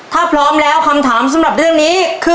ถ้าพร้อมแล้วคำถามสำหรับเรื่องนี้คือ